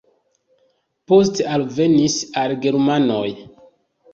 Poste alvenis are germanoj.